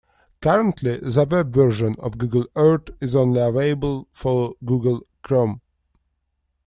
Currently, the web version of Google Earth is only available for Google Chrome.